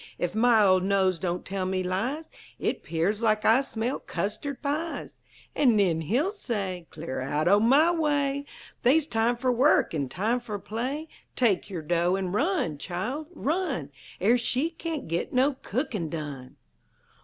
Ef my old nose don't tell me lies, It 'pears like I smell custard pies!" An' nen he'll say, "'Clear out o' my way! They's time fer work an' time fer play! Take yer dough, an' run, Child; run! Er she cain't git no cookin' done!'"